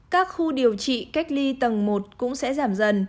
các khu điều trị cách ly tầng một cũng sẽ giảm dần